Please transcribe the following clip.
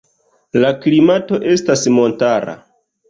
La klimato estas montara.